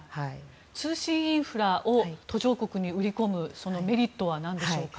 通信インフラを途上国に売り込むメリットは何でしょうか。